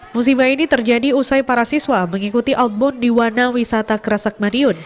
musibah ini terjadi usai para siswa mengikuti outbound di wana wisata kerasak madiun